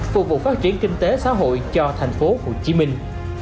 phục vụ phát triển kinh tế xã hội cho thành phố hồ chí minh